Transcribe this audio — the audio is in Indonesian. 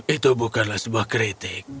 itu bukanlah sebuah kritik